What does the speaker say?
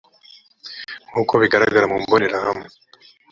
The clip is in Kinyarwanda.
nk uko bigaragara mu mbonerahamwe